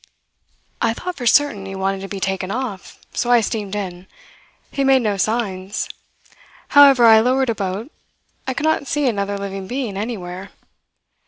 "I thought for certain he wanted to be taken off, so I steamed in. He made no signs. However, I lowered a boat. I could not see another living being anywhere.